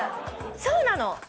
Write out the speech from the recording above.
そうなの。